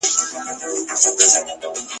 ښځي د ټولني نیمايي برخه جوړوي.